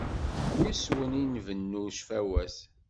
Yes-wen i nbennu cfawat.